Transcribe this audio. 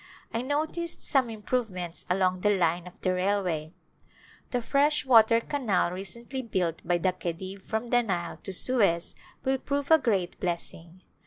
I noticed some improvements along the line of the railway. The fresh water canal recently built by the Khedive from the Nile to Suez will prove a great blessing.